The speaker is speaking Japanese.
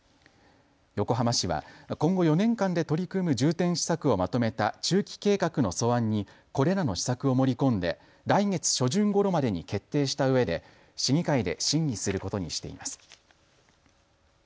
横浜市は今後４年間で取り組む重点施策をまとめた中期計画の素案にこれらの施策を盛り込んで来月初旬ごろまでに決定したうえで市議会で審議することにしています。